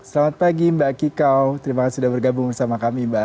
selamat pagi mbak kikau terima kasih sudah bergabung bersama kami mbak